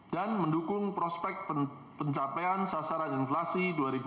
dan mendukung prospek pencapaian sasaran inflasi dua ribu enam belas